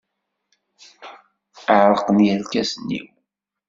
Ɛerqen yirkasen-iw.